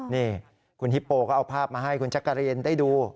นี่คุณฮิปโปก็เอาภาพมาให้คุณจักรีนได้ดู